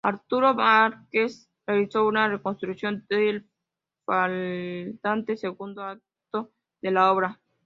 Arturo Márquez realizó una reconstrucción del faltante segundo acto de la obra.